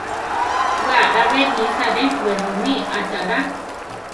We alábe nisa re wenómi achála.